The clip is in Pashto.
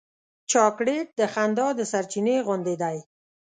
چاکلېټ د خندا د سرچېنې غوندې دی.